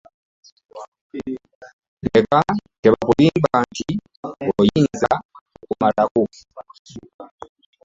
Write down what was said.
Leka tebakulimba nti oyinza okumalako.